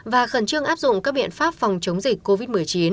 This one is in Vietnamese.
và khẩn trương áp dụng các biện pháp phòng chống dịch covid một mươi chín